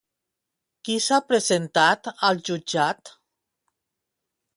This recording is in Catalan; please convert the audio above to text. Qui s'ha presentat al jutjat?